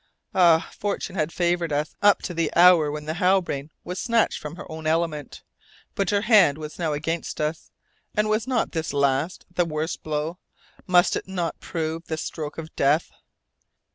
Ah! fortune had favoured us up to the hour when the Halbrane was snatched from her own element, but her hand was now against us. And was not this last the worst blow must it not prove the stroke of death?